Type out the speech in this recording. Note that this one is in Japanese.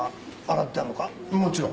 もちろん。